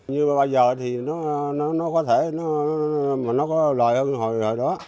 như bao giờ thì nó có thể nó có lợi hơn hồi đó